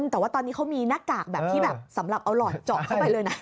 แต่ว่าตอนนี้เขามีหน้ากากแบบที่แบบสำหรับเอาหลอดเจาะเข้าไปเลยนะ